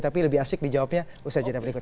tapi lebih asik dijawabnya usai jadwal berikut